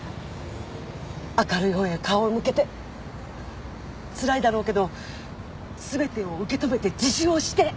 明るいほうへ顔を向けてつらいだろうけどすべてを受け止めて自首をして！